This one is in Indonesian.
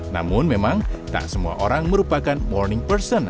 namun memang tak semua orang merupakan morning person